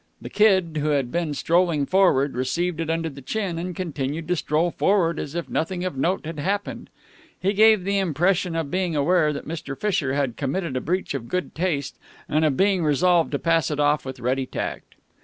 The Kid, who had been strolling forward, received it under the chin, and continued to stroll forward as if nothing of note had happened. He gave the impression of being aware that Mr. Fisher had committed a breach of good taste and of being resolved to pass it off with ready tact.